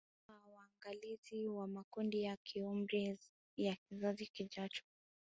Huwa waangalizi wa makundi ya kiumri ya kizazi kijacho